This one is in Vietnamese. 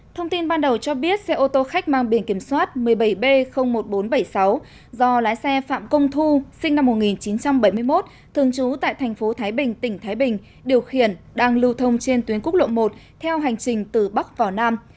thông tin ban đầu cho biết xe ô tô khách mang biển kiểm soát một mươi bảy b một nghìn bốn trăm bảy mươi sáu do lái xe phạm công thu sinh năm một nghìn chín trăm bảy mươi một thường trú tại thành phố thái bình tỉnh thái bình điều khiển đang lưu thông trên tuyến quốc lộ một theo hành trình từ bắc vào nam